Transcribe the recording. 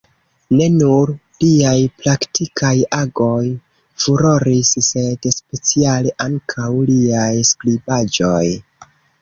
Ne nur liaj praktikaj agoj furoris, sed speciale ankaŭ liaj skribaĵoj.